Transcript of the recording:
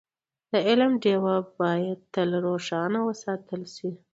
د علم ډېوه باید تل روښانه وساتل شي.